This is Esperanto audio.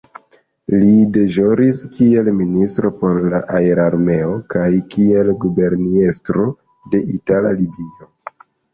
Li deĵoris kiel ministro por la Aerarmeo kaj kiel guberniestro de Itala Libio.